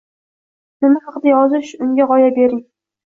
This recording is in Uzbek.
nima haqida yozishi uchun g‘oya bering.